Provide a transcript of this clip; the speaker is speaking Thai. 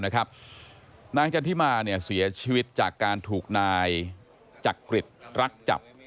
นางจันทิมาเสียชีวิตจากการถูกนายจักริตรักจับ